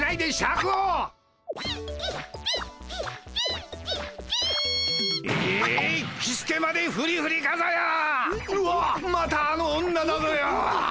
うわまたあの女だぞよ！